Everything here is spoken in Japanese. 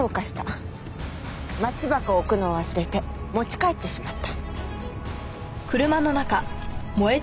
マッチ箱を置くのを忘れて持ち帰ってしまった。